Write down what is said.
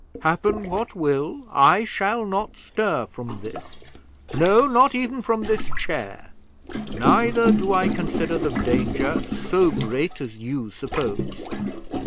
Happen what will, I shall not stir from this no, not even from this chair. Neither do I consider the danger so great as you suppose.